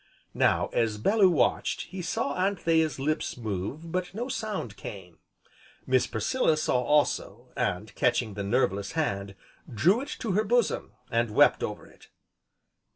Now, as Bellew watched, he saw Anthea's lips move, but no sound came. Miss Priscilla saw also, and catching the nerveless hand, drew it to her bosom, and wept over it.